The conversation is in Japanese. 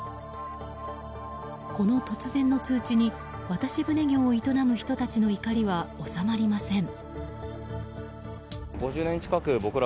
この突然の通知に渡し船業を営む人たちの怒りは収まりません。